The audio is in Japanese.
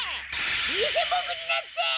偽ボクになって！